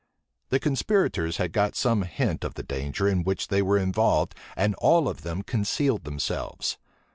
The conspirators had got some hint of the danger in which they were involved, and all of them concealed themselves.